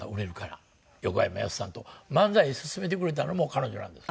横山やすしさんと漫才勧めてくれたのも彼女なんです。